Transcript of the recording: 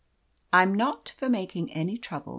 , "I'm not for making any trouble.